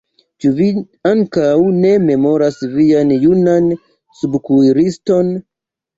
Ĉu vi ankaŭ ne memoras vian junan subkuiriston?